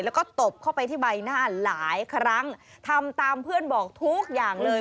แล้วก็ตบเข้าไปที่ใบหน้าหลายครั้งทำตามเพื่อนบอกทุกอย่างเลย